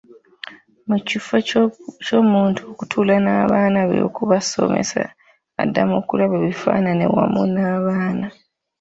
Mu kifo ky'omuntu okutuula n'abaana be okubasomesa adda mu kulaba bifaanayi wamu n'abaana.